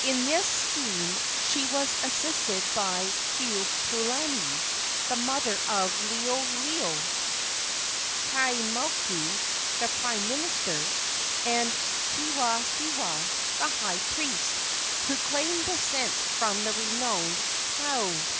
In this scheme she was assisted by Keopuolani, the mother of Liholiho; Kalaimoku, the prime minister, and Hewahewa, the high priest, who claimed descent from the renowned Paao.